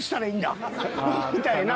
みたいな。